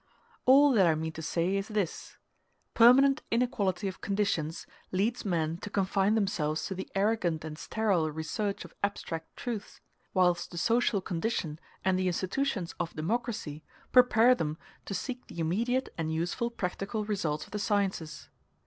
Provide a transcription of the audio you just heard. All that I mean to say is this: permanent inequality of conditions leads men to confine themselves to the arrogant and sterile research of abstract truths; whilst the social condition and the institutions of democracy prepare them to seek the immediate and useful practical results of the sciences.